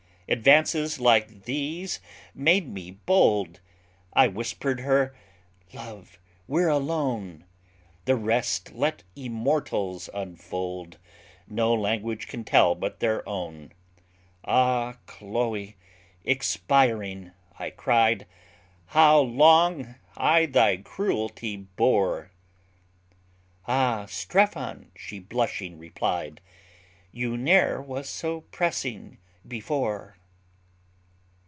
Advances like these made me bold; I whisper'd her Love, we're alone. The rest let immortals unfold; No language can tell but their own. Ah, Chloe, expiring, I cried, How long I thy cruelty bore! Ah, Strephon, she blushing replied, You ne'er was so pressing before.